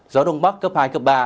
gió đông bắc cấp hai cấp ba